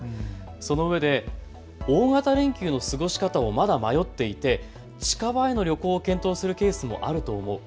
そのうえで大型連休の過ごし方をまだ迷っていて近場への旅行を検討するケースもあると思う。